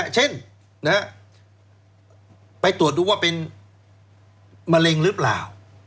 เช่นไปตรวจดูว่าเป็นมะเร็งหรือเปล่า